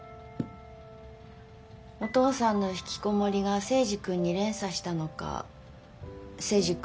お父さんのひきこもりが征二君に連鎖したのか征二君